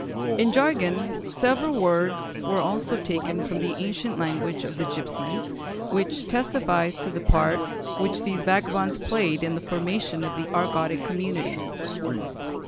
In jargon several words were also taken from the ancient language of the gipsies, which testifies to the part which these vagabonds played in the formation of the Argotic community.